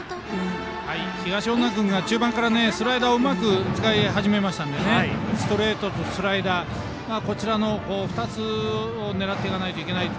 東恩納君が中盤からスライダーをうまく使い始めましたのでストレートとスライダーこちらの２つを狙っていかないといけないと。